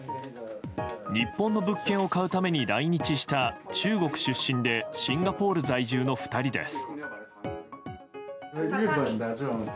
日本の物件を買うために来日した中国出身でシンガポール在住の２人です。